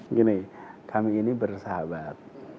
begini kami ini bersahabat